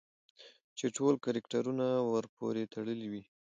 چې ټول کرکټرونه ورپورې تړلي وي